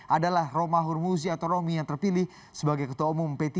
adalah romahur muzi atau romi yang terpilih sebagai ketua umum p tiga